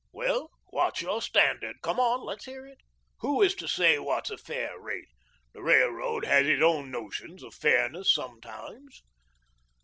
"Well, what's your standard? Come, let's hear it. Who is to say what's a fair rate? The railroad has its own notions of fairness sometimes."